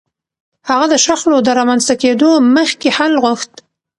هغه د شخړو د رامنځته کېدو مخکې حل غوښت.